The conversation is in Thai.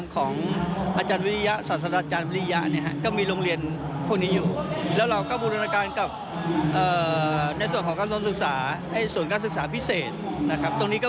ก็มีอยู่แล้วครับ